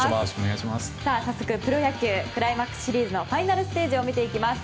早速、プロ野球クライマックスシリーズのファイナルステージを見ていきます。